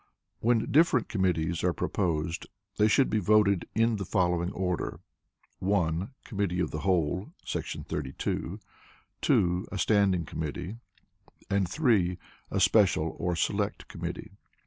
When different committees are proposed they should he voted in the following order: (1) Committee the whole [§ 32], (2) a standing committee, and (3) a special (or select) committee.